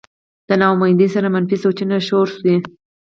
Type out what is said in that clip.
د نا امېدۍ سره منفي سوچونه شورو شي